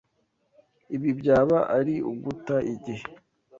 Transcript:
Ibi byaba ari uguta igihe.